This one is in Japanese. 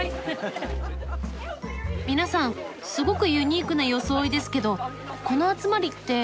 皆さんすごくユニークな装いですけどこの集まりって？